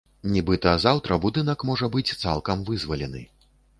Нібыта, заўтра будынак можа быць цалкам вызвалены.